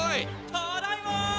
ただいま！